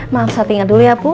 maaf saya tinggal dulu ya bu